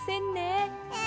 え